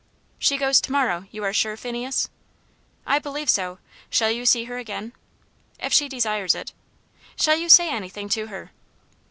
"She goes to morrow, you are sure, Phineas?" "I believe so. Shall you see her again?" "If she desires it." "Shall you say anything to her?"